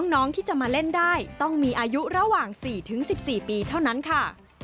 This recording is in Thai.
น้องที่จะมาเล่นได้ต้องมีอายุระหว่าง๔๑๔ปีเท่านั้นค่ะ